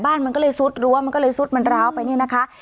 บ้านมันก็เลยซุดรั้วมันก็เลยซุดมันร้าวไปเนี่ยนะคะ